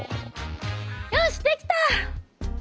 よしできた！